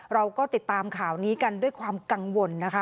เราก็ติดตามข่าวนี้กันด้วยความกังวลนะคะ